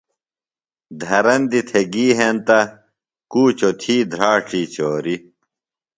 دھرندیۡ تھےۡ گی ہنتہ، کُوچوۡ تھی دھراڇی چوریۡ